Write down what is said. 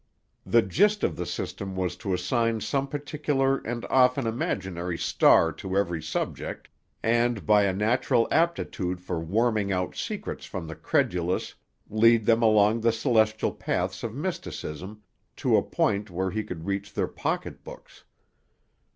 The gist of the system was to assign some particular and often imaginary star to every subject, and, by a natural aptitude for worming out secrets from the credulous, lead them along the celestial paths of mysticism to a point where he could reach their pocketbooks.